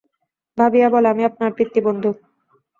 ভাবিয়া বলে, আমি আপনার পিতৃবন্ধু।